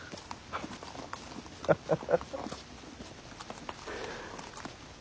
ハハハハ。